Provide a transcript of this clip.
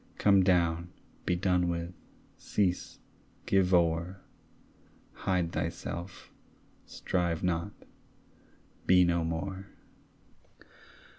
Come down, be done with, cease, give o'er; Hide thyself, strive not, be no more.